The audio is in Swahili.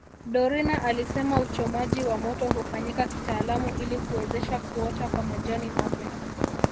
Dorina alisema uchomaji wa moto hufanyika kitaalamu ili kuwezesha kuota kwa majani mapya